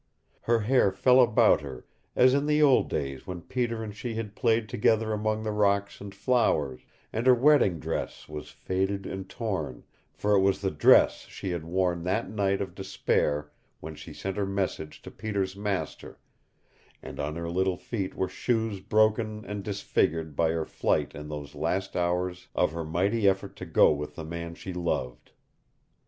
Her hair fell about her, as in the old days when Peter and she had played together among the rocks and flowers, and her wedding dress was faded and torn, for it was the dress she had worn that night of despair when she sent her message to Peter's master, and on her little feet were shoes broken and disfigured by her flight in those last hours of her mighty effort to go with the man she loved.